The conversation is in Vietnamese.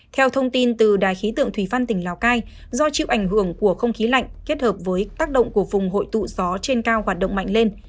theo thông tin từ đài khí tượng thủy văn tỉnh lào cai do chịu ảnh hưởng của không khí lạnh kết hợp với tác động của vùng hội tụ gió trên cao hoạt động mạnh lên